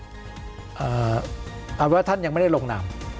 แต่ว่าท่านยังไม่ได้ลงนาม